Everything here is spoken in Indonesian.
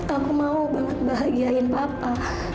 aku mau banget bahagiain papa